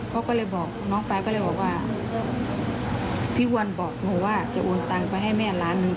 เขาก็เลยบอกน้องไปก็เลยบอกว่าพี่วันบอกหนูว่าจะโอนตังไปให้แม่ล้านหนึ่ง